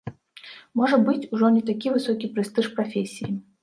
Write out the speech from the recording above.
Можа быць, ужо не такі высокі прэстыж прафесіі.